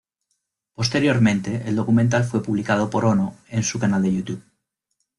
Posteriormente el documental fue publicado por Ono en su canal de Youtube.